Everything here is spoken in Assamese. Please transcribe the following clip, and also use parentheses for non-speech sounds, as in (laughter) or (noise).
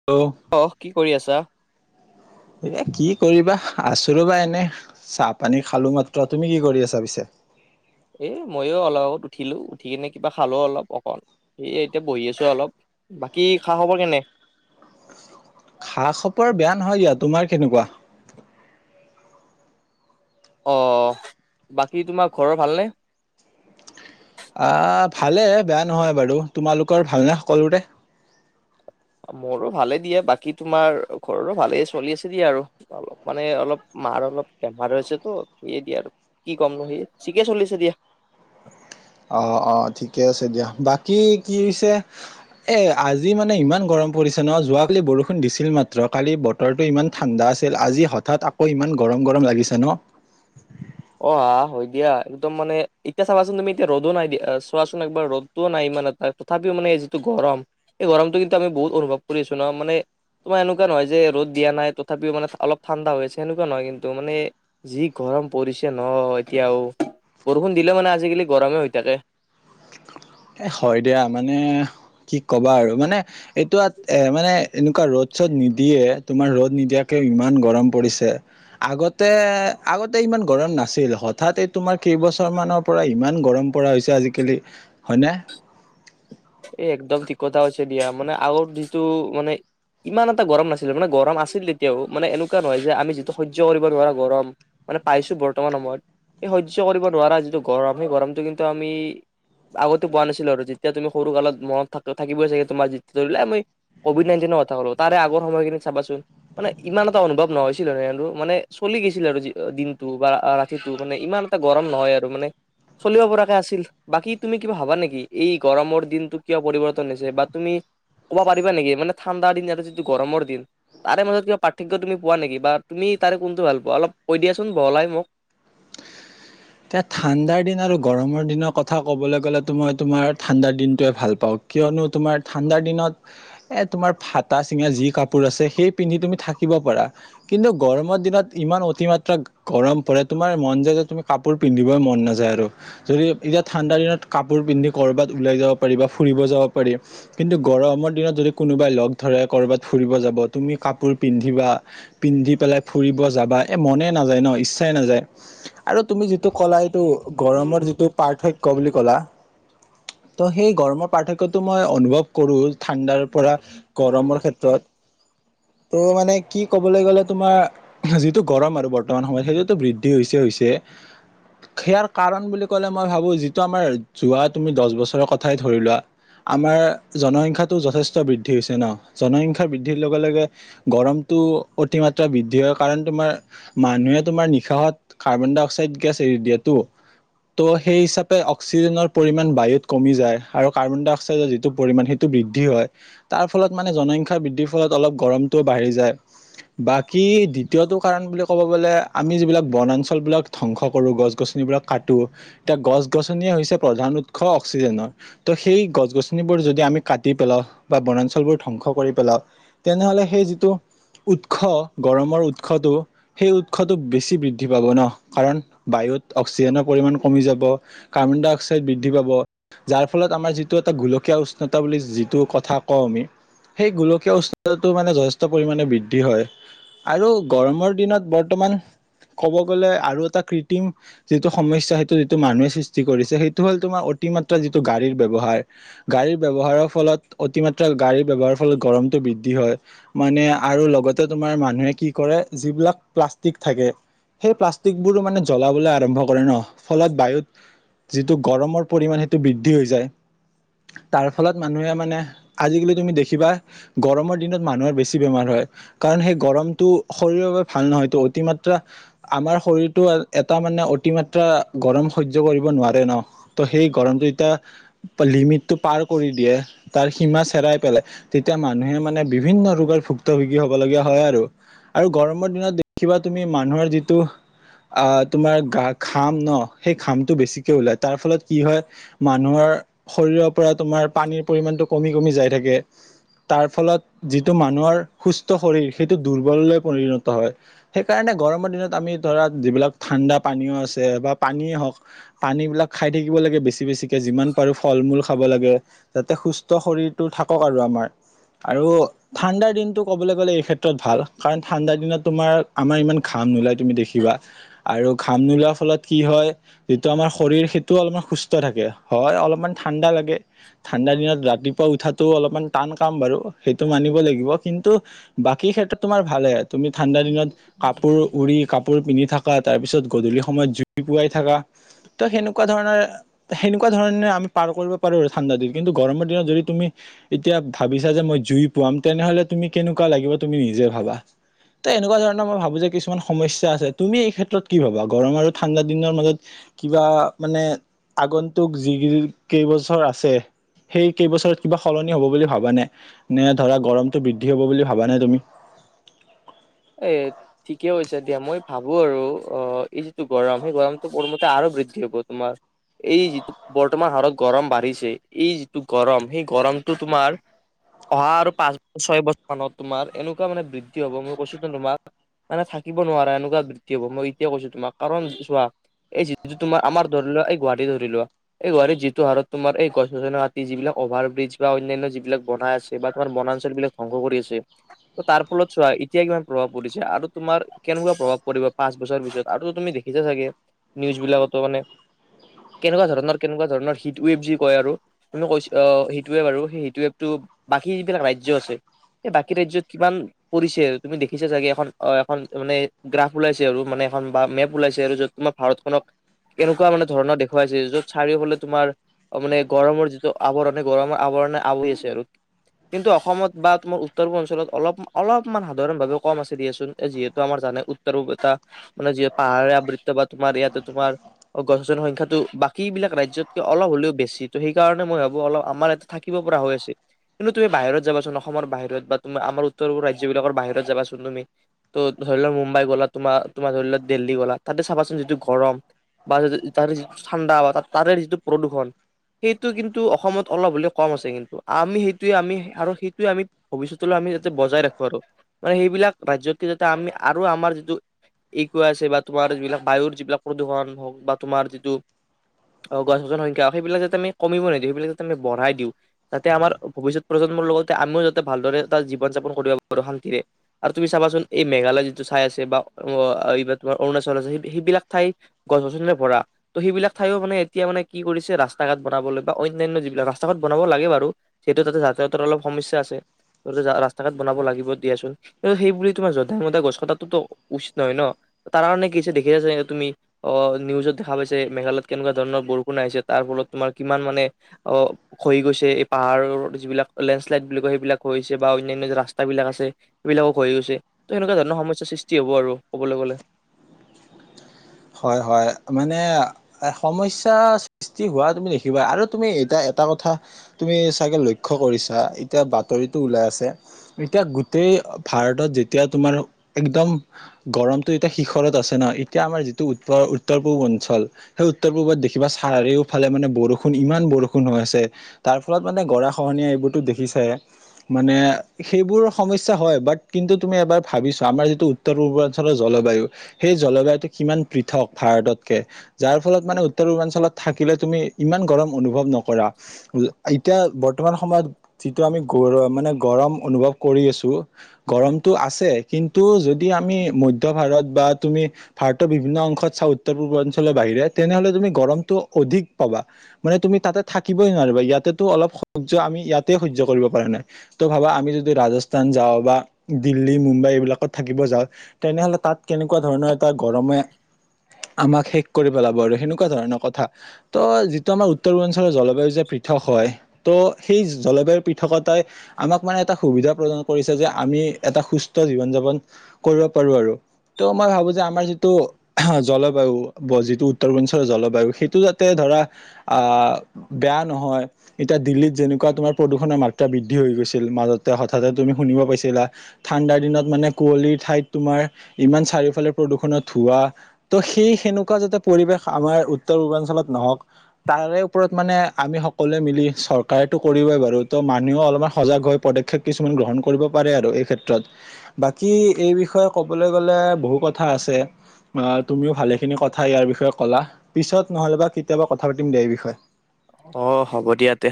হেল্ল'। অ', কি কৰি আছা? এ কি কৰিবা আছোঁ ৰবা এনে চাহ পানী খালো মাত্ৰ তুমি কি কৰি আছা পিছে? এই ময়ো অলপ আগত উঠিলোঁ উঠি কিনে কিবা খালো অলপ অকণ এই এতিয়া বহি আছো অলপ। বাকী খা খবৰ কেনে? খা খপৰ বেয়া নহয় দিয়া, তোমাৰ কেনেকুৱা? অ', বাকী তোমাৰ ঘৰৰ ভালনে। ভালে বেয়া নহয় বাৰু তোমালোকৰ ভালনে সকলোৰে। মোৰো ভালে দিয়ে বাকী তোমাৰ ঘৰৰো ভালে চলি আছে দিয়া আৰু। অলপ মানে অলপ মাৰ অলপ বেমাৰ হৈছে তো সে দিয়ে আৰু। কি কম নো সি চিকে চলিছে দিয়া। অ', অ', ঠিকে আছে দিয়া বাকী কি হৈছে। এই আজি মানে ইমান গৰম পৰিছে ন, যোৱাকালি বৰষুণ দিছিল মাত্ৰ কালি ব বতৰটো ইমান ঠাণ্ডা আছিল, আজি হঠাৎ আকৌ ইমান গৰম, গৰম লাগিছে ন। অ', আহ হয় দিয়া একদম মানে এতিয়া চাবাচোন তুমি এতিয়া ৰ'দো নাই দিয়া চোৱাচোন একবাৰ ৰ'দ। নাই ইমান এটা তথাপিও মানে এই যিটো গৰম এই গৰমটো কিন্তু আমি বহুত অনুভৱ কৰি আছোঁ ন মানে। তোমাৰ এনেকুৱা নহয় যে ৰ'দ দিয়াই তথাপিও মানে অলপ ঠাণ্ডা হৈছে আ সনেকা নহয় কিন্তু মানে যি গৰম পৰিছে ন এতিয়াও বৰষুণ দিলে মানে আজিকালি গৰমে হৈ থাকে। এ হয় দিয়া মানে কি কবা আৰু মানে এইটো এ মানে এনেকুৱা ৰ'দ চ'দ নিদিয়ে তোমাৰ ৰ'দ নিদিয়াকে ইমান গৰম পৰিছে আগতে আগতে ইমান গৰম নাছিল হঠাৎ এই তোমাৰ কেইবছৰমানানৰ পৰা ইমান গৰম পৰা হৈছে আজিকালি হয়নে। এই একদম ঠিক কথা আ হৈছে দিয়া মানে আগৰ যিটো মানে। ইমান এটা গৰম নাছিলে মানে গৰম আছিল তেতিয়াও মানে এনেকুৱা নহয় যে আমি যিটো সহ্য কৰিব নোৱাৰোা গৰম। মানে পাইছোঁ বৰ্তমান সময়ত এই সহ্য কৰিব নোৱাৰা যিটো গৰম সেই গৰমটো কিন্তু আমি আগতে পোৱা নাছিলো আৰু যেতিয়া তুমি সৰু কালত মনত থ থাকিবই চাগে তোমাৰ জ ধৰিলে মই ক'ভিড নাইটিনৰ কথা কলো তাৰে আগ সময়খিনিত চাবাচোন। মানে ইমান এটা অনুভৱ ন হৈছিল নটো মানে চলি গৈছিল আৰু দিনটো বা ৰা পটো মানে ইমান এটা গৰম নহয় আৰু মানে। চলিব পৰাকে আছিল বাকী তুমি কিবা ভাবা নেকি এই গৰমৰ দিনটো কিয় পৰিৱৰ্তন হৈছে বা তুমি ক'ব পাৰিবা নেকি, মানে ঠাণ্ডা দিন এটা যিটো গৰমৰ দিন তাৰে মাজত কিবা পাৰ্থক্য তুমি পোৱা নেকি বা তুমি তাৰে কোনটো ভাল পোৱা অলপ কৈ দিয়া চোন বহলাই মোক। এতিয়া ঠাণ্ডাৰ দিন আৰু গৰমৰ দিনৰ কথা ক'বলৈ গ'লেতো মই তোমাৰ ঠাণ্ডাৰ দিনটোৱে ভাল পাওঁ। কিয়নো, তোমাৰ ঠাণ্ডাৰ দিনত এ, তোমাৰ ফটা-চিঙা যি কাপোৰ আছে, সেই পিন্ধি তুমি থাকিব পাৰা। কিন্তু গৰমৰ দিনত, ইমান অতিমাত্ৰা গৰম পৰে, তোমাৰ মন যায় যে তুমি কাপোৰ পিন্ধিবই মন নাযায় আৰু। যদি এতিয়া ঠাণ্ডা দিনত, কাপোৰ পিন্ধি, কৰবাত ওলাই যাব পাৰি বা ফুৰিব যাব পাৰি। কিন্তু গৰমৰ দিনত, যদি কোনোবাই লগ ধৰে, কৰ'বাত ফুৰিব যাব, তুমি কাপোৰ পিন্ধিবা পিন্ধি পেলাই ফুৰিব যাবা, এই মনে নাযায় ন'। ইচ্ছাই নাযায়। আৰু তুমি যিটো ক'লা, এইটো গৰমৰ যিটো পাৰ্থক্য বুলি ক'লা ত' সেই গৰমৰ পাৰ্থক্যতো মই অনুভৱ কৰোঁ, ঠাণ্ডাৰ পৰা গৰমৰ ক্ষেত্ৰত ত' মানে, কি ক'বলৈ গ'লে, তোমাৰ আজিতো গৰম আৰু বৰ্তমান সময়ত সেইটোতো বৃদ্ধি হৈছে, হৈছে। (inaudible) সেয়াৰ কাৰণ বুলি ক'লে, মই ভাবোঁ, যিটো আমাৰ, যোৱা তুমি দচ বছৰৰ কথাই ধৰি লোৱা। আমাৰ জনসংখ্যাটো যথেষ্ট বৃদ্ধি হৈছে ন' জনসংখ্যাৰ বৃদ্ধিৰ লগে লগে গৰমটো অতিমাত্ৰা বৃদ্ধি হয়, কাৰণ তোমাৰ মানুহে তোমাৰ নিশাহত কাৰ্বন ডাই অক্সাইড গেছ এৰি দিয়েটো। ত' সেই হিচাপে, অক্সিজেনৰ পৰিমাণ বায়ুত কমি যায় আৰু কাৰ্বন ডাই অক্সাইডৰ যিটো পৰিমাণ, সেই টো বৃদ্ধি হয়, তাৰ ফলত মানে জনসংখ্যা বৃদ্ধিৰ ফলত অলপ গৰমটোও বাঢ়ি যায়। বাকী, দ্বিতীয়টো কাৰণ বুলি ক'ব গ'লে, আমি যিবিলাক বনাঞ্চল বিলাক ধ্বংস কৰোঁ গছ, গছনিবোৰক কাটো, তে গছ-গছনিয়েই হৈছে প্ৰধান উৎস অক্সিজেনৰ। ত' সেই গছ-গছনিবোৰ যদি আমি কাটি পেলাও বা বনাঞ্চলবোৰ ধ্বংস কৰি পেলাও তেনেহ'লে সেই যিটো উৎস, গৰমৰ উৎসটো, সেই উৎসটো বেছি বৃদ্ধি পাব ন'। কাৰণ, বায়ুত অক্সিজেনৰ পৰিমাণ কমি যাব, কাৰ্বন ডাই অক্সাইড বৃদ্ধি পাব। যাৰ ফলত, আমাৰ যিটো এটা গোলকীয় উষ্ণতা বুলি যিটো কথা কওঁ আমি সেই গোলকীয় উষ্ণতা মানে যথেষ্ট পৰিমাণে বৃদ্ধি হয়। আৰু গৰমৰ দিনত, বৰ্তমান ক'ব গ'লে, আৰু এটা কৃত্ৰিম যিটো সমস্যা, সেইটো যিটো মানুহে সৃষ্টি কৰিছে, সেইটো হ'ল, তোমাৰ অতিমাত্ৰা যিটো গাড়ীৰ ব্যৱহাৰ। গাড়ীৰ ব্যৱহাৰৰ ফলত, অতিমাত্ৰা গাড়ীৰ ব্যৱহাৰৰ ফলত গৰমটো বৃদ্ধি হয়। মানে, আৰু লগতে তোমাৰ মানুহে কি কৰে, যিবিলাক প্লাষ্টিক থাকে, সেই প্লাষ্ট (unintelligible) বোৰো, মানে জ্বলাবলৈ আৰম্ভ কৰে ন', ফলত বায়ুত যিটো গৰমৰ পৰিমাণ, সেইটো বৃদ্ধি হৈ যায়। তাৰ ফলত, মানুহে মানে আজিকালি তুমি দেখিবা গৰমৰ দিনত মানুহৰ বেছি বেমাৰ হয়। কাৰণ সেই গৰমটো শৰীৰৰ বাবে ভাল নহয়টো, অতিমাত্ৰা আমাৰ শৰীৰটো এটা মানে অতিমাত্ৰা গৰম সহ্য কৰিব নোৱাৰে ন'। ত' সেই গৰমটো এতিয়া লিমিটটো পাৰ কৰি দিয়ে, তাৰ সীমা চেৰাই পেলাই। তেতিয়া মানুহে মানে বিভিন্ন ৰোগৰ ভুক্তভোগী হ'ব লগীয়া হয় আৰু। আৰু গৰমৰ দিনত দেখিবা তুমি, মানুহৰ যিটো আ, তোমাৰ গা ঘাম ন', সেই ঘামটো বেছিকৈ ওলায়, তাৰ ফলত কি হয় মানুহৰ শৰীৰৰ পৰা, তোমাৰ পানীৰ পৰিমাণটো কমি কমি যায় থাকে। তাৰ ফলত, যিটো মানুহৰ সুস্থ শৰীৰ, সেইটো দুৰ্বললৈ পৰিণত হয়। সেইকাৰণে গৰমৰ দিনত আমি ধৰা, যিবিলাক ঠাণ্ডা পানীও আছে বা পানীয়ে হওক, পানীবিলাক খাই থাকিব লাগে বেছি বেছি যিমান পাৰো ফল মূল খাব লাগে, যাতে সুস্থ শৰীৰটো থাকক আৰু আমাৰ আৰু ঠাণ্ডাৰ দিনটো ক'বলৈ গ'লে, এই ক্ষেত্ৰত ভাল, কাৰণ ঠাণ্ডাৰ দিনত তোমাৰ আমাৰ ইমান ঘাম নোলাই, তুমি দেখ বা আৰু ঘাম নোলোৱাৰ ফলত কি হয় যিটো আমাৰ শৰীৰ, সেইটো অলপমান সুস্থ থাকে হয়, অলপমান ঠাণ্ডা লাগ ঠাণ্ডাৰ দিনত ৰাতিপুৱা উঠাটো অলপমান টান কাম বাৰু সেইটো মানিব লাগিব কিন্তু বাকী ক্ষেত্ৰত তোমাৰ ভালে তুমি ঠাণ্ডা দিনত কাপোৰ উৰি কাপ পিন্ধি থাকা, তাৰ পিছত গধূলি সময়ত জুই পোৱাই থাকা ত' সেনেকুৱা ধৰণৰ সেনেকুৱা ধৰণে আমি পাৰ কৰিব পাৰো আৰু ঠাণ্ডা দিন কিন্তু গৰমৰ দিনত যদি তুমি এতিয়া ভাবিছা যে মই জুই পোৱাম তেনেহলে তুমি কেনেকুৱা লাগিব তুমি নিজে ভাবা? তেনেকুৱা ধৰণৰ মই ভাবো যে কিছুমান সমস- স্যা আছে তুমি এই ক্ষেত্ৰত কি ভাবা গৰম আৰু ঠাণ্ডা দিনৰ মাজত- কিবা মানে আগন্তুক যি কেইবছৰ আছে- সেই কেইবছৰত কিবা সলনি হ'ব বুলি ভাবা নে? নে ধৰক গৰমটো বৃদ্ধি হ'ব বুলি ভাবা নে তুমি? এই ঠিকেই কৈছা দিয়া মই ভাবো আৰু অ এই যিটো গৰম সেই গৰমটো পূৰ্বতে আৰু বৃদ্ধি হব তোমাৰ। এই যিটো বৰ্তমান হাৰত গৰম বাঢ়িছে এই যিটো গৰম সেই গৰমটো তোমাৰ- অহা আৰু পাঁচ বছৰ ছয় বছৰ মানত তোমাৰ এনেকুৱা মানে বৃদ্ধি হ'ব মই কৈছো- তোমাক মানে থাকিব নোৱাৰা এনেকুৱা বৃদ্ধি হব। মই এতিয়া কৈছো তোমাক কাৰণ চোৱা- এই যিটো তোমাৰ আমাৰ ধৰি লোৱা এই গুৱাহাটী ধৰি লোৱা- এই গুৱাহাটীত যিটো হাৰত তোমাৰ এই গছ গছনিতি যিবিলাক অভাৰ ব্ৰিজ বা অনান্ন্য যিবিলাক বনাই আছে বা তোমাৰ বনাঞ্চল বিলাক- ধ্বংস কৰি আছে, ত তাৰ ফলত চোৱা এতিয়া কিমান- প্ৰভাৱ পৰিছে আৰু তোমাৰ কেনেকুৱা প্ৰভাৱ পৰিব পাঁচ বছৰ ভিতৰত। আৰু তুমি দেখিছা চাগে? নিউজ বিলাকতো মানে কেনেকুৱা ধৰণৰ কেনেকুৱা ধৰণৰ হিট ৱেভ যি কয় আৰু। তুমি কৈছ আহ সেইটোৱে বাৰু সেই সিটেৱেটো বাকী যিবিলাক ৰাজ্য আছে- এই বাকী ৰাজ্যত কিমান পৰিছিল তুমি দেখিছা চাগে এখন অ এখন মানে- গ্ৰাফ ওলাইছে আৰু মানে এখন বা মেপ ওলাইছে আৰু য'ত তোমাৰ ভাৰতখনক- এনেকুৱা মানে ধৰণৰ দেখুৱাইছে, য'ত চাৰিওফলে তোমাৰ- মানে গৰমৰ যিটো আৱৰণ গৰমৰ আৱৰণে আৱৰি আছে আৰু। কিন্তু অসমত বা তুমাৰ উত্তৰ পূব অঞ্চলত অলপ অলপমান হা- উৰণভাৱে কম আছে দিয়েচোন যিহেতু আমাৰ জানে উত্তৰোপ এটা- মানে যি পাহাৰীয়া আবৃত্ত বা তোমাৰ ইয়াতে তোমাৰ- অ গছ গছনিৰ সংখ্যাটো বাকী বিলাক ৰাজ্যতকে অলপ হলেও বেছি ত' সেইকাৰণে মই ভাবো অলপ আমাৰ এ- থাকিব পৰা হৈ আছে। কিন্তু তুমি বাহিৰত যাবাচোন অসমৰ বাহিৰত বা তোমাৰ আমাৰ উত্তৰ ৰাজ্যবিলাকৰ বাহিৰত- ত যাবাচোন তুমি। ত' ধৰি লোৱা মুম্বাই গ'লা তোমাৰ তোমাৰ ধৰি লোৱা দেলহি গ'লা তাতে চাবাচোন যিটো গৰম। বা য তাৰে যিটো ঠাণ্ডা বা তাৰে যিটো প্ৰদূষণ- সেইটো কিন্তু অসমত অলপ হ'লেও কম আছে কিন্তু, আমি সেইটোৱে আমি আৰু সেইটোৱে আমি- ভৱিষ্যতলৈ আমি যাতে বজাই ৰাখো আৰু। মানে সেইবিলাক ৰাজ্যতে যাতে আমি আৰু আমাৰ যিটো- ইকুৱা আছে বা তোমাৰ যিবিলাক বায়ুৰ যিবিলাক প্ৰদূষণ হওক বা তোমাৰ যিটো- অ গছ গছনি সংখ্যা সেইবিলাক যতে আমি কমিব নিদিও সেইবিলাক আমি বঢ়াই দিওঁ। যাতে আমাৰ ভৱিষ্যত প্ৰজন্মৰ লগতে আমিও যাতে ভালদৰে এটা জীৱন যাপন কৰিব পাৰো শান্তিৰে। আৰু তুমি চাবাচোন এই মেঘালয় যিটো ঠাই আছে বা এই তোমাৰ অৰুণাচল আছে সেইবিলাক ঠাই- গছ গছনিৰে পৰা। ত' সেইবিলাক ঠাইও মানে এতিয়া মানে কি কৰিছে ৰাস্তা ঘাট বনাবলৈ বা অন্যান্য যিবিলাক ৰাস্তা ঘাট বনাব লাগে বাৰু। সেইটো তাতে যাতায়াতৰ অলপ সমস্যা আছে। ত ৰাস্তা ঘাট বনাব লাগিব দিয়াচোন। কিন্ত সেইবুলি তোমাৰ যধাই মধাই গছ কটটোতো উচিত নহয় ন। তাৰ কাৰণে কি হৈছে দেখিছা চাগে তুমি? অ নিউজত দেখা পাইছে মেঘালয়ত কেনেকুৱা ধৰণৰ বৰষুণ আহিছে তাৰ ফলত তোমাৰ কিমান মানে- অ খহি গৈছে এই পাহাৰৰ যিবিলাক লেণ্ডশ্লাইড বুলি কয় সেইবিলাক খহিছে বা অন্যান্য ৰাস্তাবিলাক আছে- সেইবিলাকো খহি গৈছে। ত' সেনেকুৱা জন সমস্যাৰ সৃষ্টি হ'ব আৰু ক'বলৈ গ'লে। হয় হয় মানে- এ সমস্যা সৃষ্টি হোৱা তুমি দেখিবা আৰু তুমি এটা এটা কথা- তুমি চাগে লক্ষ্য কৰিছা, এতিয়া বাতৰিতটো ওলাই আছে। এতিয়া গোটেই ভাৰতত যেতিয়া তোমাৰ একদম- গৰমতটো এতিয়া শিখৰত আছে ন এতিয়া আমাৰ যিটো উ উত্তৰ পূব অঞ্চল সেই উত্তৰ পূৰ্বত দেখিবা চাৰিওফালে মানে বৰষুণ ইমান বৰষুণ হৈ আছে। তাৰ ফলত মানে গৰা খহনীয়া এইবোৰতো দেখিছাই। মানে সেইবোৰ সমস্যা হয় বাট কিন্তু তুমি এবাৰ ভাবিছা আমাৰ যিটো উত্তৰ পূৰ্বাঞ্চলৰ জলবায়ু সেই জলবায়ুটো কিমান পৃথক ভাৰততকে। যাৰ ফলত মানে উত্তৰ পূৰ্বাঞ্চলত থাকিলে তুমি ইমান গৰম অনুভৱ নকৰা। এতিয়া বৰ্তমান সময়ত যিটো আমি গৰ মানে গৰম অনুভৱ কৰি আছো। গৰমতটো আছে কিন্তু যদি আমি মধ্যভাৰত বা তুমি ভাৰতৰ বিভ বিভিন্ন অংশত চাওঁ উত্তৰ পূৰ্বাঞ্চলৰ বাহিৰে তেনেহলে তুমি গৰমতটো অধিক পাবা। মানে তুমি তাতে থাকিবই নোৱাৰিবা ইয়াতেতো অলপ সহ্য আমি ইয়াতেই সহ্য কৰিব পৰা নাই। ত ভাবা আমি যদি ৰাজস্থান যাওঁ বা দিল্লী, মুম্বাই এইবিলাকত থাকিব যাওঁ। তেনেহলে তাত কেনেকুৱা ধৰণৰ এটা গৰমে আমাক শেষ কৰি পেলাব আৰু সেনেকুৱা ধৰণৰ কথা। ত যিটো আমাৰ উত্তৰ পূৰ্বাঞ্চলৰ জলবায়ু যে পৃথক হয়। ত সেই জলবায়ুৰ পৃথকতাই আমাক মানে এটা সুবিধা প্ৰদান কৰিছে যে আমি এটা সুস্থ জীৱন যাপন কৰিব পাৰো আৰু ত মই ভাবো যে আমাৰ যিটো জলবায়ু বা যিটো উত্তৰ পূৰ্বাঞ্চলৰ জলবায়ু সেইটো যাতে ধৰা আ বেয়া নহয় এতিয়া দিল্লীত যেনেকুৱা তোমাৰ প্ৰদূষণৰ মাত্ৰা বৃদ্ধি হৈ গৈছিল মাজতে হঠাতে তুমি শুনিব পাইছিলা। ঠাণ্ডাৰ দিনত মানে কুঁৱলীৰ ঠাইত তোমাৰ ইমান চাৰিওফালে প্ৰদূষণত ধোৱা ত সেই সেনেকুৱা যাতে পৰিৱেশ আমাৰ উত্তৰ পূৰ্বাঞ্চলত নহওক। তাৰে ওপৰত মানে আমি সকলোৱে মিলি চৰকাৰেতো কৰিবই বাৰু ত মানুহও অলপমান সজাগ হৈ পদক্ষেপ কিছুমান গ্ৰহণ কৰিব পাৰে আৰু এই ক্ষেত্ৰত বাকী এই বিষয়ে ক'বলৈ গ'লে বহু কথা আছে। বা তুমিও ভালেখিনি কথা ইয়াৰ বিষয়ে ক'লা পিছত নহ'লে বা কেতিয়াবা কথা পাতিম দে এই বিষয়ে। অ হ'ব দিয়া তে